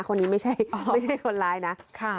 คนนี้ไม่ใช่คนร้ายนะ